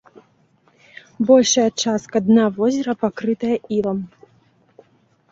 Большая частка дна возера пакрытая ілам.